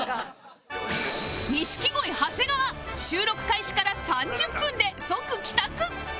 錦鯉長谷川収録開始から３０分で即帰宅